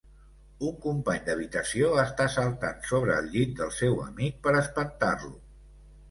Un company d'habitació està saltant sobre el llit del seu amic per espantar-lo.